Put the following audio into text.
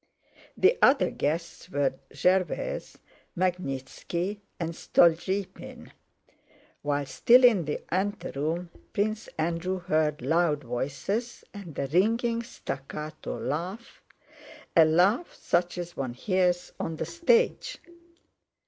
The other guests were Gervais, Magnítski, and Stolýpin. While still in the anteroom Prince Andrew heard loud voices and a ringing staccato laugh—a laugh such as one hears on the stage.